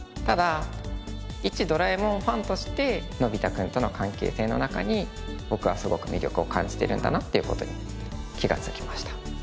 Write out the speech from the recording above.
ただいちドラえもんファンとしてのび太くんとの関係性の中に僕はすごく魅力を感じてるんだなっていう事に気がつきました。